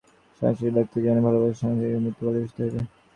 সাংসারিক ব্যক্তি জীবন ভালবাসে, সন্ন্যাসীকে মৃত্যু ভালবাসিতে হইবে।